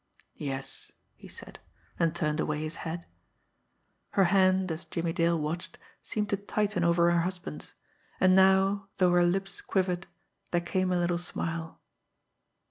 "Yes," he said, and turned away his head. Her hand, as Jimmie Dale watched, seemed to tighten over her husband's; and now, though her lips quivered, there came a little smile.